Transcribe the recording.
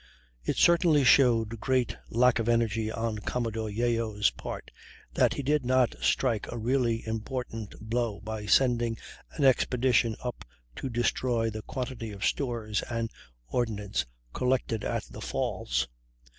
It certainly showed great lack of energy on Commodore Yeo's part that he did not strike a really important blow by sending an expedition up to destroy the quantity of stores and ordnance collected at the Falls.